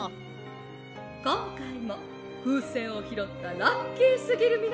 「こんかいもふうせんをひろったラッキーすぎるみなさん